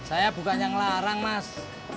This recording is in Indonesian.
saya bukannya ngelarang mas